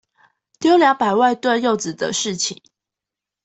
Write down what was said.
丟兩百萬噸柚子的事情